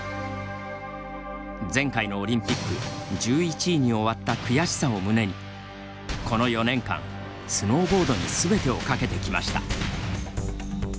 前回のオリンピック１１位に終わった悔しさを胸にこの４年間スノーボードにすべてを懸けてきました。